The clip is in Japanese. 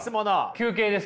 休憩ですか？